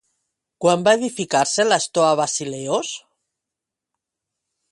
Quan va edificar-se la Stoà Basileos?